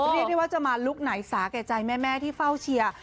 เรียกได้ว่าจะมาลุคไหนสาแก่ใจแม่ที่เฝ้าเชียร์